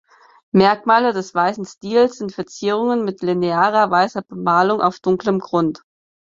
Merkmale des weißen Stils sind Verzierungen mit linearer weißer Bemalung auf dunklem Grund.